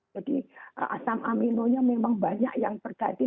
jadi asam aminonya memang banyak yang berganti